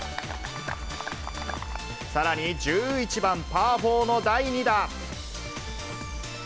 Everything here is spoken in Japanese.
さらに１１番パー４の第２打。